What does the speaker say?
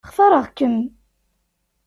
Xtareɣ-kem.